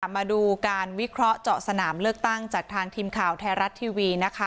มาดูการวิเคราะห์เจาะสนามเลือกตั้งจากทางทีมข่าวไทยรัฐทีวีนะคะ